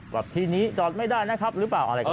แบบที่นี้จอดไม่ได้นะครับหรือเปล่า